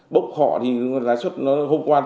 bốc họ thì lãi suất nó hôm qua